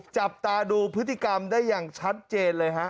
จับตาดูพฤติกรรมได้อย่างชัดเจนเลยฮะ